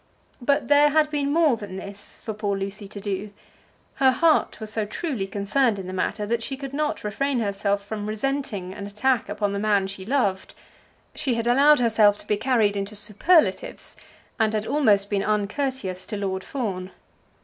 But there had been more than this for poor Lucy to do. Her heart was so truly concerned in the matter, that she could not refrain herself from resenting an attack on the man she loved. She had allowed herself to be carried into superlatives, and had almost been uncourteous to Lord Fawn.